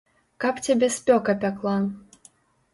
Каб цябе спёка пякла!